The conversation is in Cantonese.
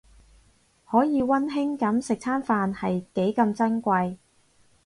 可以溫馨噉食餐飯係幾咁珍貴